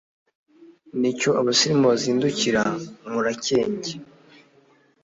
Nicyo abasirimu bazikundira murakenge